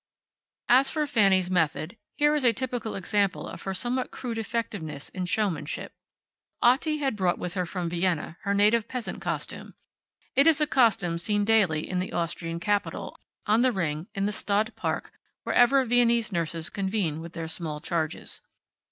As for Fanny's method; here is a typical example of her somewhat crude effectiveness in showmanship. Otti had brought with her from Vienna her native peasant costume. It is a costume seen daily in the Austrian capital, on the Ring, in the Stadt Park, wherever Viennese nurses convene with their small charges.